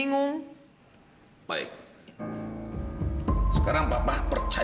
suara keadaan tidak terat